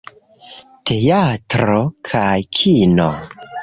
Teatro kaj kino.